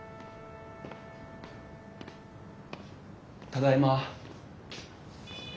ただいま。